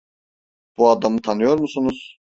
Bu adamı tanıyor musunuz?